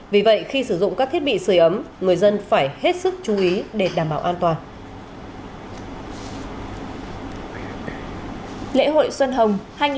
vì vậy khi sử dụng các thiết bị sửa ấm người dân phải hết sức chú ý để đảm bảo an toàn